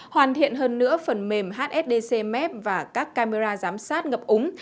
hoàn thiện hơn nữa phần mềm hsdc mep và các camera giám sát ngập ứng